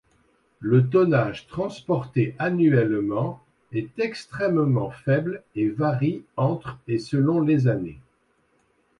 Le tonnage transporté annuellement est extrêmement faible et varie entre et selon les années.